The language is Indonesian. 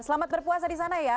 selamat berpuasa di sana ya